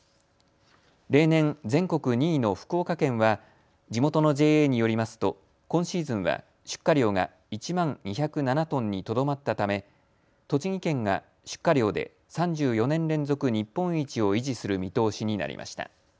例年、全国２位の福岡県は地元のＪＡによりますと今シーズンは出荷量が１万２０７トンにとどまったため栃木県が出荷量で３４年連続日本一を維持する見通しになりました。